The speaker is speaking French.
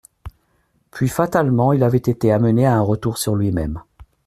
Puis, fatalement, il avait été amené à un retour sur lui-même.